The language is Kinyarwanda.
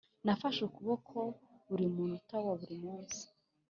nafashe ukuboko buri munota wa buri munsi,